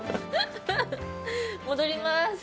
戻ります。